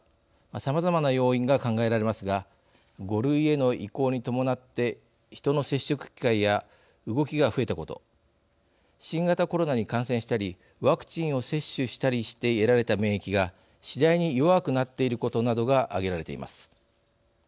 さまざまな要因が考えられますが５類への移行に伴って人の接触機会や動きが増えたこと新型コロナに感染したりワクチンを接種したりして得られた免疫が次第に弱くなっていることなどが挙げられています。